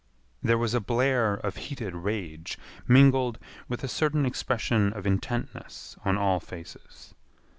There was a blare of heated rage mingled with a certain expression of intentness on all faces.